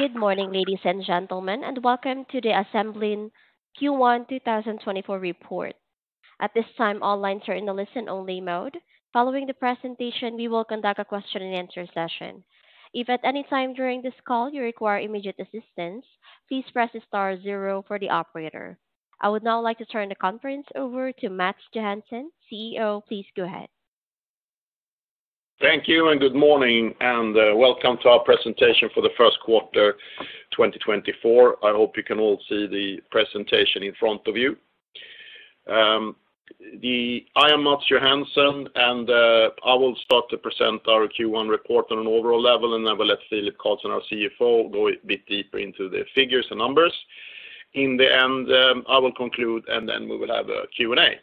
Good morning, ladies and gentlemen, and welcome to the Assemblin Q1 2024 report. At this time, all lines are in a listen-only mode. Following the presentation, we will conduct a question and answer session. If at any time during this call you require immediate assistance, please press star zero for the operator. I would now like to turn the conference over to Mats Johansson, CEO. Please go ahead. Thank you, and good morning, and welcome to our presentation for the first quarter, 2024. I hope you can all see the presentation in front of you. I am Mats Johansson, and I will start to present our Q1 report on an overall level, and then I will let Philip Carlsson, our CFO, go a bit deeper into the figures and numbers. In the end, I will conclude, and then we will have a Q&A.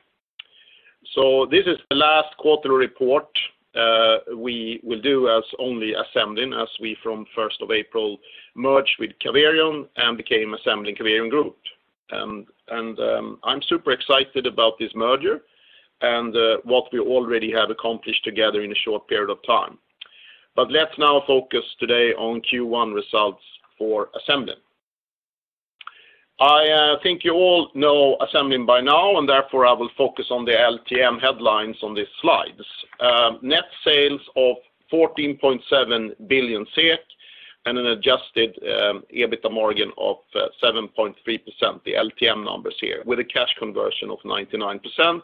So this is the last quarterly report we will do as only Assemblin, as we from first of April merged with Caverion and became Assemblin Caverion Group. And I'm super excited about this merger and what we already have accomplished together in a short period of time. But let's now focus today on Q1 results for Assemblin. I think you all know Assemblin by now, and therefore I will focus on the LTM headlines on these slides. Net sales of 14.7 billion SEK, and an adjusted EBITDA margin of 7.3%, the LTM numbers here, with a cash conversion of 99%,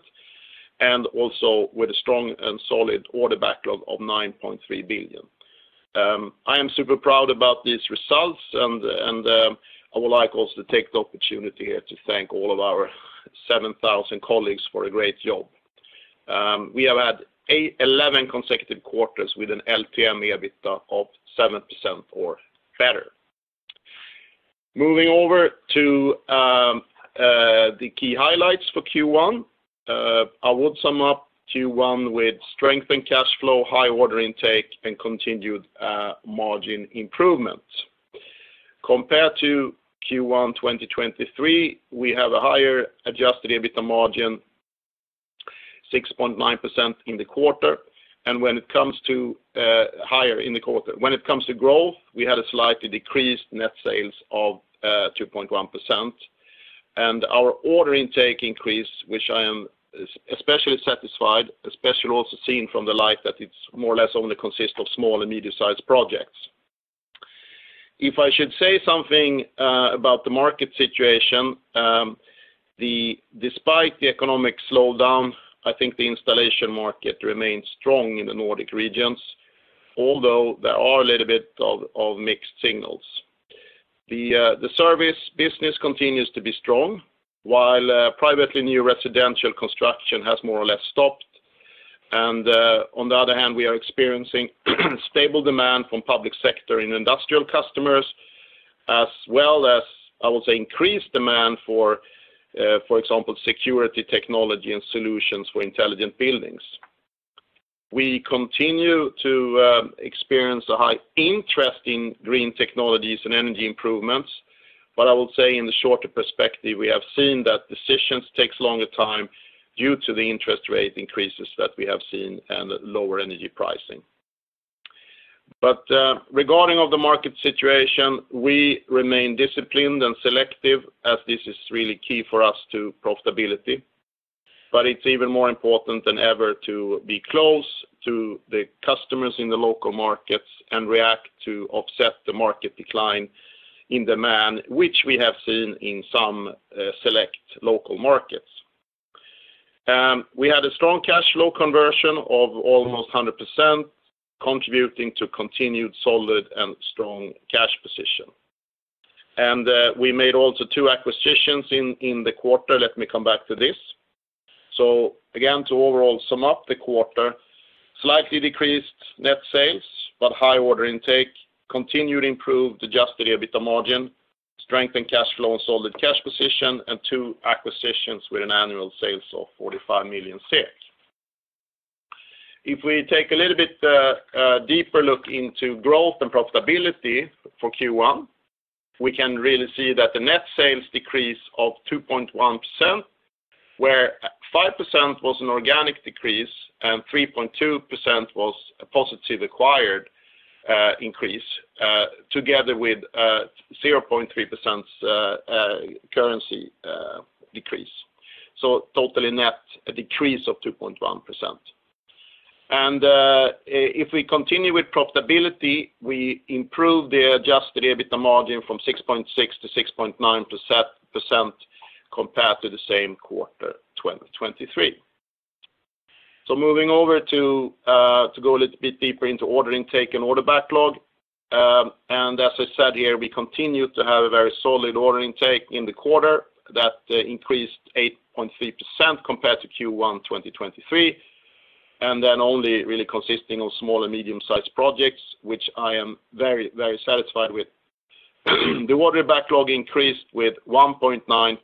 and also with a strong and solid order backlog of 9.3 billion. I am super proud about these results, and I would like also to take the opportunity here to thank all of our 7,000 colleagues for a great job. We have had 11 consecutive quarters with an LTM EBITDA of 7% or better. Moving over to the key highlights for Q1. I would sum up Q1 with strength and cash flow, high order intake, and continued margin improvement. Compared to Q1 2023, we have a higher Adjusted EBITDA margin, 6.9% in the quarter, and when it comes to higher in the quarter. When it comes to growth, we had a slightly decreased net sales of 2.1%, and our order intake increased, which I am especially satisfied, especially also seeing from the light that it's more or less only consist of small and medium-sized projects. If I should say something about the market situation, despite the economic slowdown, I think the installation market remains strong in the Nordic regions, although there are a little bit of mixed signals. The service business continues to be strong, while privately, new residential construction has more or less stopped. On the other hand, we are experiencing stable demand from public sector and industrial customers, as well as, I would say, increased demand for, for example, security technology and solutions for intelligent buildings. We continue to experience a high interest in green technologies and energy improvements, but I will say in the shorter perspective, we have seen that decisions takes longer time due to the interest rate increases that we have seen and lower energy pricing. But, regarding the market situation, we remain disciplined and selective, as this is really key for us to profitability, but it's even more important than ever to be close to the customers in the local markets and react to offset the market decline in demand, which we have seen in some select local markets. We had a strong cash flow conversion of almost 100%, contributing to continued solid and strong cash position. And we made also 2 acquisitions in the quarter. Let me come back to this. So again, to overall sum up the quarter, slightly decreased net sales, but high order intake, continued improved adjusted EBITDA margin, strengthened cash flow and solid cash position, and 2 acquisitions with annual sales of 45 million SEK. If we take a little bit a deeper look into growth and profitability for Q1, we can really see that the net sales decrease of 2.1%, where 5% was an organic decrease and 3.2% was a positive acquired increase, together with 0.3% currency decrease. So totally net, a decrease of 2.1%. If we continue with profitability, we improve the Adjusted EBITDA margin from 6.6% to 6.9% compared to the same quarter, 2023. Moving over to go a little bit deeper into order intake and order backlog, and as I said here, we continue to have a very solid order intake in the quarter that increased 8.3% compared to Q1 2023, and then only really consisting of small and medium-sized projects, which I am very, very satisfied with. The order backlog increased with 1.9%,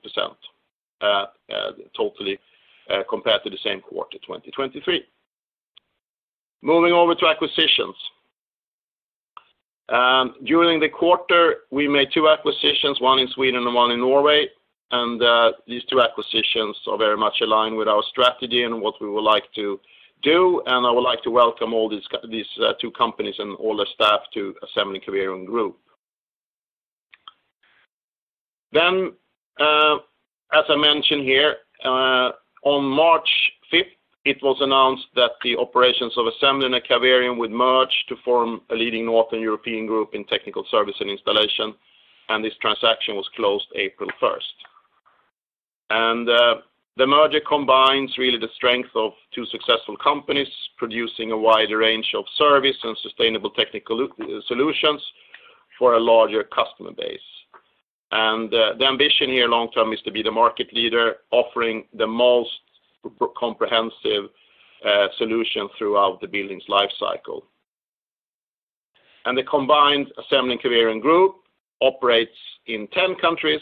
totally, compared to the same quarter, 2023. Moving over to acquisitions. During the quarter, we made two acquisitions, one in Sweden and one in Norway. and, these two acquisitions are very much aligned with our strategy and what we would like to do, and I would like to welcome all these two companies and all their staff to Assemblin and Caverion Group. Then, as I mentioned here, on March fifth, it was announced that the operations of Assemblin and Caverion would merge to form a leading Northern European group in technical service and installation, and this transaction was closed April first. And, the merger combines really the strength of two successful companies, producing a wide range of service and sustainable technical solutions for a larger customer base. And, the ambition here long term is to be the market leader, offering the most comprehensive solution throughout the building's life cycle. The combined Assemblin and Caverion group operates in 10 countries,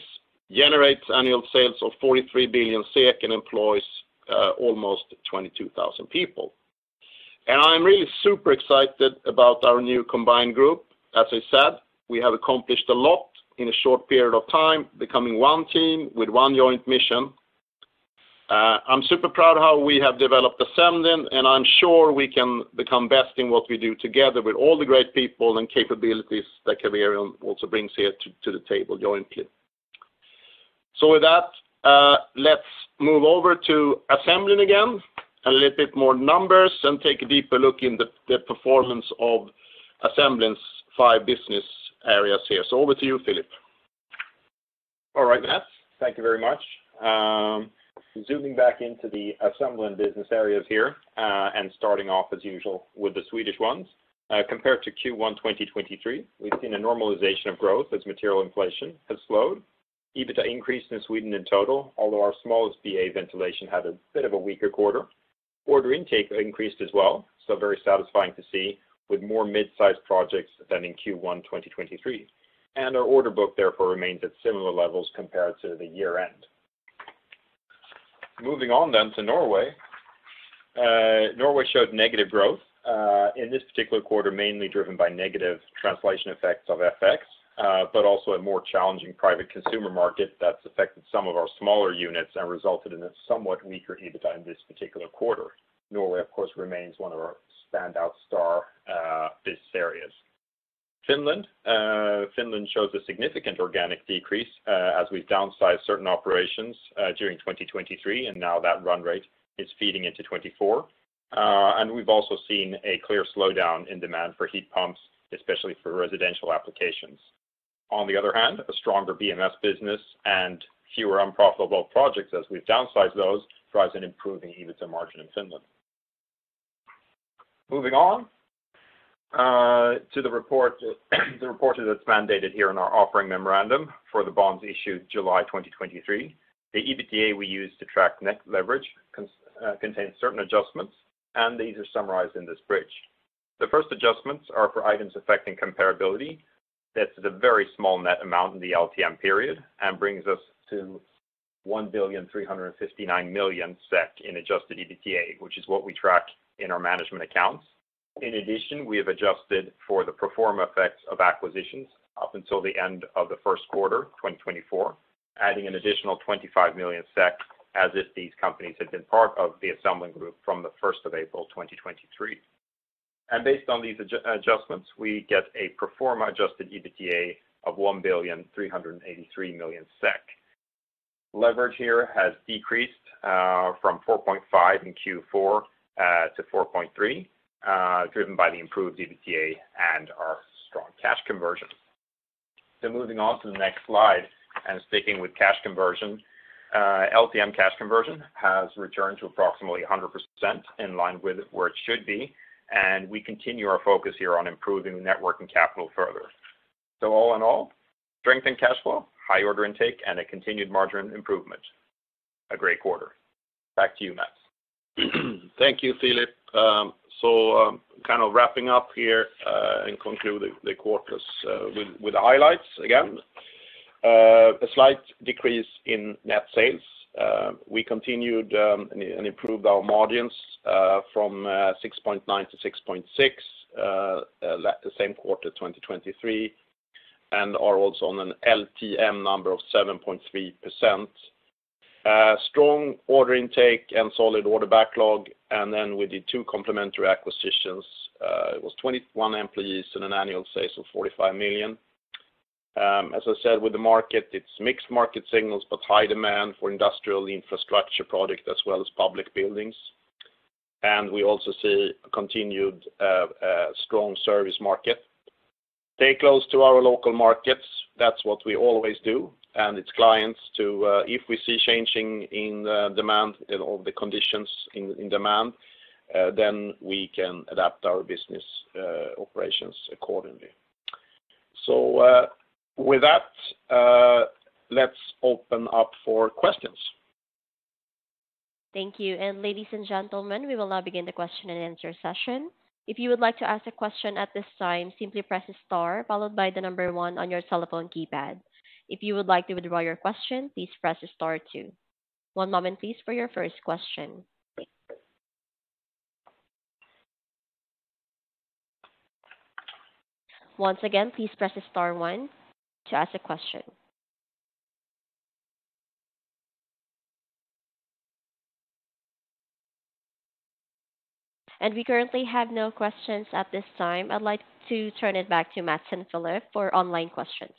generates annual sales of 43 billion, and employs almost 22,000 people. I'm really super excited about our new combined group. As I said, we have accomplished a lot in a short period of time, becoming one team with one joint mission. I'm super proud of how we have developed Assemblin, and I'm sure we can become best in what we do together with all the great people and capabilities that Caverion also brings here to the table jointly. With that, let's move over to Assemblin again, a little bit more numbers, and take a deeper look in the performance of Assemblin's five business areas here. Over to you, Philip. All right, Mats, thank you very much. Zooming back into the Assemblin business areas here, and starting off, as usual, with the Swedish ones. Compared to Q1 2023, we've seen a normalization of growth as material inflation has slowed. EBITDA increased in Sweden in total, although our smallest BA ventilation had a bit of a weaker quarter. Order intake increased as well, so very satisfying to see, with more mid-sized projects than in Q1 2023. And our order book therefore remains at similar levels compared to the year-end. Moving on then to Norway. Norway showed negative growth in this particular quarter, mainly driven by negative translation effects of FX, but also a more challenging private consumer market that's affected some of our smaller units and resulted in a somewhat weaker EBITDA in this particular quarter. Norway, of course, remains one of our standout star business areas. Finland shows a significant organic decrease, as we've downsized certain operations during 2023, and now that run rate is feeding into 2024. And we've also seen a clear slowdown in demand for heat pumps, especially for residential applications. On the other hand, a stronger BMS business and fewer unprofitable projects as we've downsized those, drives an improving EBITDA margin in Finland. Moving on to the report, the report that's mandated here in our offering memorandum for the bonds issued July 2023. The EBITDA we use to track net leverage contains certain adjustments, and these are summarized in this bridge. The first adjustments are for items affecting comparability. That's a very small net amount in the LTM period and brings us to 1,359 million SEK in adjusted EBITDA, which is what we track in our management accounts. In addition, we have adjusted for the pro forma effects of acquisitions up until the end of the first quarter, 2024, adding an additional 25 million SEK, as if these companies had been part of the Assemblin group from the first of April 2023. And based on these adjustments, we get a pro forma adjusted EBITDA of 1,383 million SEK. Leverage here has decreased from 4.5 in Q4 to 4.3, driven by the improved EBITDA and our strong cash conversion. So moving on to the next slide, and sticking with cash conversion, LTM cash conversion has returned to approximately 100%, in line with where it should be, and we continue our focus here on improving working capital further. So all in all, strength in cash flow, high order intake, and a continued margin improvement. A great quarter. Back to you, Mats. Thank you, Philip. So, kind of wrapping up here and conclude the quarters with the highlights again. A slight decrease in net sales. We continued and improved our margins from 6.9 to 6.6, the same quarter, 2023, and are also on an LTM number of 7.3%. Strong order intake and solid order backlog, and then we did two complementary acquisitions. It was 21 employees and annual sales of 45 million. As I said, with the market, it's mixed market signals, but high demand for industrial infrastructure product as well as public buildings. And we also see a continued strong service market. Stay close to our local markets, that's what we always do, and its clients too. If we see changing in demand and all the conditions in demand, then we can adapt our business operations accordingly. So, with that, let's open up for questions. Thank you. Ladies and gentlemen, we will now begin the question and answer session. If you would like to ask a question at this time, simply press star, followed by the number one on your telephone keypad. If you would like to withdraw your question, please press star two. One moment, please, for your first question. ...Once again, please press star one to ask a question. We currently have no questions at this time. I'd like to turn it back to Mats and Philip for online questions.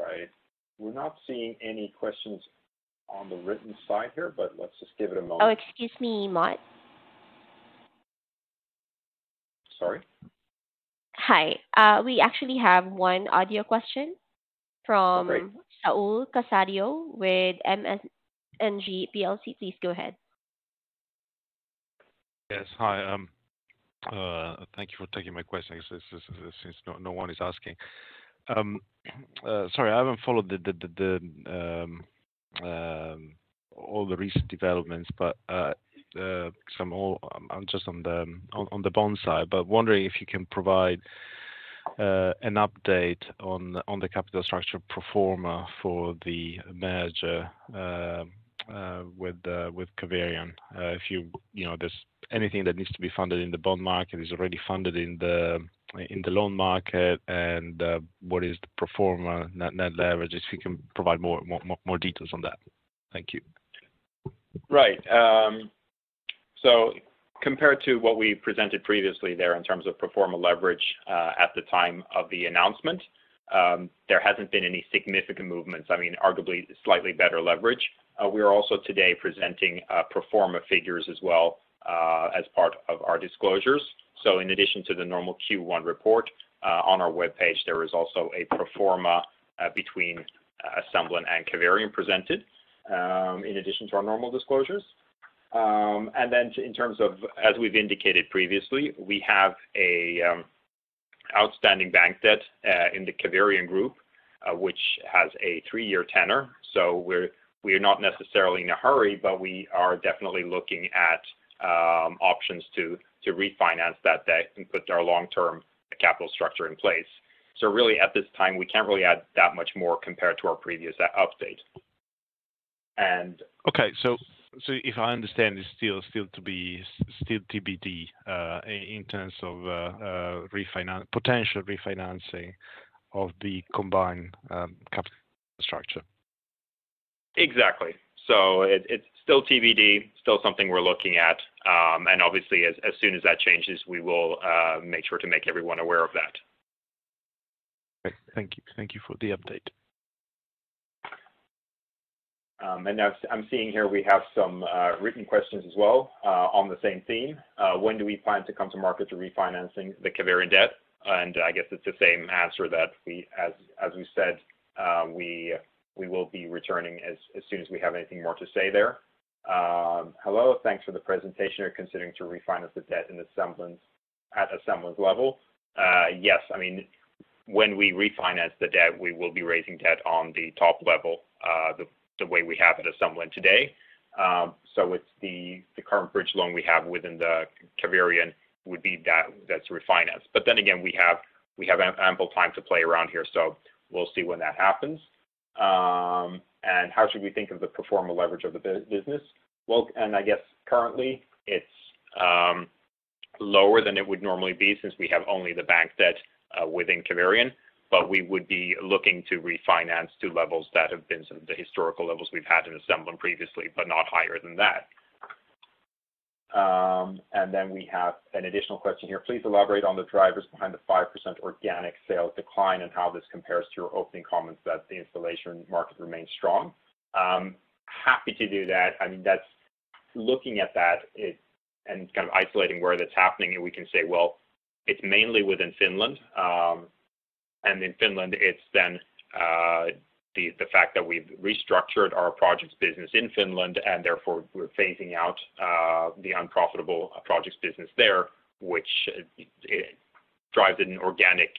Right. We're not seeing any questions on the written side here, but let's just give it a moment. Oh, excuse me, Matt. Sorry? Hi. We actually have one audio question from- Great. Saul Casadio with M&G plc. Please go ahead. Yes. Hi, thank you for taking my question, since no one is asking. Sorry, I haven't followed all the recent developments, but just on the bond side, but wondering if you can provide an update on the capital structure pro forma for the merger with Caverion. If you... You know, there's anything that needs to be funded in the bond market, is already funded in the loan market, and what is the pro forma net leverage, if you can provide more details on that? Thank you. Right. So compared to what we presented previously there in terms of pro forma leverage, at the time of the announcement, there hasn't been any significant movements. I mean, arguably, slightly better leverage. We are also today presenting pro forma figures as well, as part of our disclosures. So in addition to the normal Q1 report, on our webpage, there is also a pro forma between Assemblin and Caverion presented, in addition to our normal disclosures. And then in terms of... As we've indicated previously, we have outstanding bank debt in the Caverion Group, which has a three-year tenor. So we're not necessarily in a hurry, but we are definitely looking at options to refinance that debt and put our long-term capital structure in place. So really, at this time, we can't really add that much more compared to our previous, update, and- Okay. So if I understand, it's still TBD in terms of potential refinancing of the combined capital structure? Exactly. So it's still TBD, still something we're looking at, and obviously, as soon as that changes, we will make sure to make everyone aware of that. Great. Thank you. Thank you for the update. And now I've-- I'm seeing here we have some written questions as well on the same theme. When do we plan to come to market to refinancing the Caverion debt? And I guess it's the same answer that we... As, as we said, we, we will be returning as, as soon as we have anything more to say there. Hello, thanks for the presentation. You're considering to refinance the debt in the Assemblin, at Assemblin level? Yes. I mean, when we refinance the debt, we will be raising debt on the top level, the, the way we have it at Assemblin today. So it's the, the current bridge loan we have within the Caverion would be that, that's refinance. But then again, we have, we have ample time to play around here, so we'll see when that happens. And how should we think of the pro forma leverage of the business? Well, and I guess currently, it's lower than it would normally be, since we have only the bank debt within Caverion, but we would be looking to refinance to levels that have been the historical levels we've had in Assemblin previously, but not higher than that. And then we have an additional question here: Please elaborate on the drivers behind the 5% organic sales decline and how this compares to your opening comments that the installation market remains strong. Happy to do that. I mean, that's looking at that, and kind of isolating where that's happening, and we can say, well, it's mainly within Finland. And in Finland, it's then the fact that we've restructured our projects business in Finland, and therefore, we're phasing out the unprofitable projects business there, which it drives an organic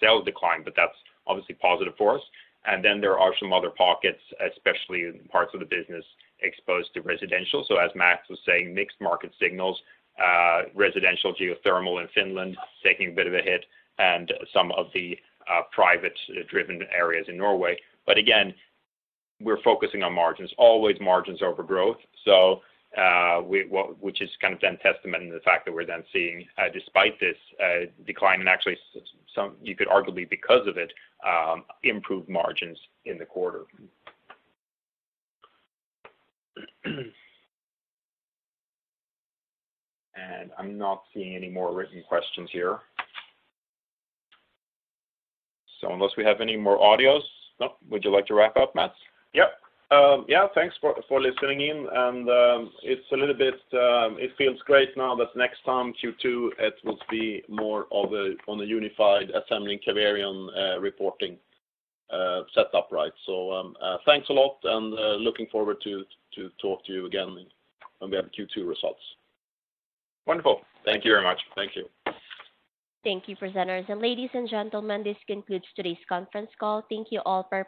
sales decline, but that's obviously positive for us. And then there are some other pockets, especially in parts of the business exposed to residential. So as Max was saying, mixed market signals, residential, geothermal in Finland, taking a bit of a hit and some of the private-driven areas in Norway. But again, we're focusing on margins, always margins over growth. Which is kind of a testament to the fact that we're then seeing, despite this decline, and actually, you could arguably because of it, improved margins in the quarter. And I'm not seeing any more written questions here. So unless we have any more audios- Nope. Would you like to wrap up, Mats? Yep. Yeah, thanks for listening in, and it's a little bit... It feels great now that next time, Q2, it will be more of a unified Assemblin Caverion reporting setup, right? So, thanks a lot, and looking forward to talk to you again when we have Q2 results. Wonderful. Thank you very much. Thank you. Thank you, presenters. Ladies and gentlemen, this concludes today's conference call. Thank you all for